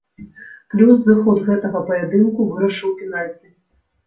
Плюс зыход гэтага паядынку вырашыў пенальці.